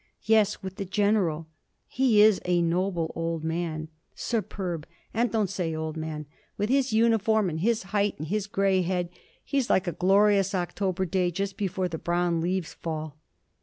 'Yes, with the General!' 'He is a noble old man.' 'Superb. And don't say "old man." With his uniform and his height and his grey head, he is like a glorious October day just before the brown leaves fall.'